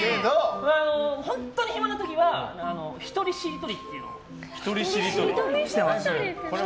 本当に暇な時は１人しりとりというのをしてます。